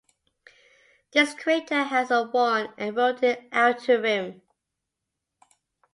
This crater has a worn and eroded outer rim.